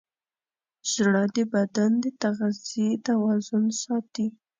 زړه د بدن د تغذیې توازن ساتي.